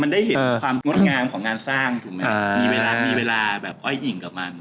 มันได้เห็นความงดงามของงานสร้างถูกไหมมีเวลามีเวลาแบบอ้อยหญิงกับมัน